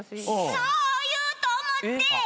そう言うと思って今日は。